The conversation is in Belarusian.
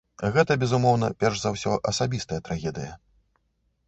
Гэта, безумоўна, перш за ўсё асабістая трагедыя.